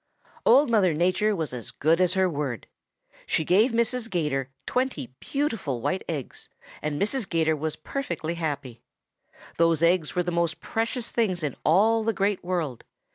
"Old Mother Nature was as good as her word. She gave Mrs. 'Gator twenty beautiful white eggs, and Mrs. 'Gator was perfectly happy. Those eggs were the most precious things in all the Great World.